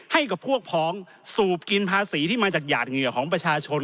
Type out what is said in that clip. ให้กับพวกพ้องสูบกินภาษีที่มาจากหยาดเหงื่อของประชาชน